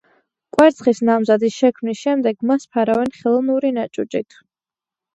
კვერცხის ნამზადის შექმნის შემდეგ, მას ფარავენ ხელოვნური ნაჭუჭით.